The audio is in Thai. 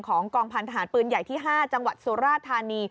กองพันธหารปืนใหญ่ที่๕จังหวัดสุราธานี